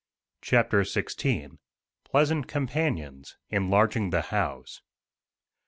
*CHAPTER XVI* *Pleasant Companions; Enlarging the House.